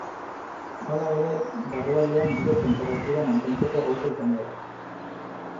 Halere, barrualdean giro tenperatura mantentzeko gauza izango da.